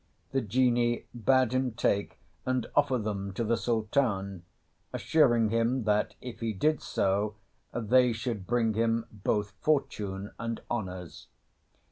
The Genie bade him take and offer them to the Sultan, assuring him that if he did so they should bring him both fortune and honours.